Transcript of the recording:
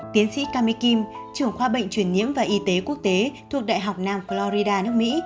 tiến sĩ kami kim trưởng khoa bệnh truyền nhiễm và y tế quốc tế thuộc đại học nam florida nước mỹ